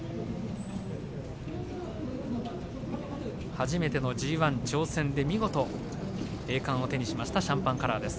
初めてのＧＩ挑戦で見事、栄冠を手にしましたシャンパンカラーです。